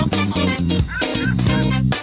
สวัสดีค่ะ